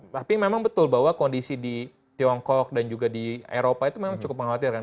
tapi memang betul bahwa kondisi di tiongkok dan juga di eropa itu memang cukup mengkhawatirkan